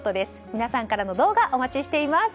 皆さんからの動画お待ちしています。